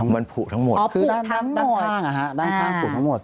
มันผูกทั้งหมดคือด้านข้างผูกทั้งหมดอ๋อผูกทั้งหมด